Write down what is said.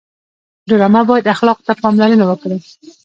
ډرامه باید اخلاقو ته پاملرنه وکړي